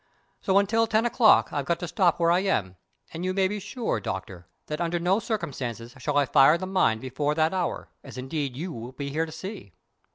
So until ten o'clock I've got to stop where I am, and you may be sure, Doctor, that under no circumstances shall I fire the mine before that hour, as indeed you will be here to see.